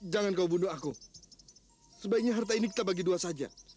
jangan kau bunuh aku sebaiknya harta ini kita bagi dua saja